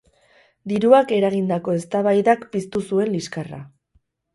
Diruak eragindako eztabaidak piztu zuen liskarra.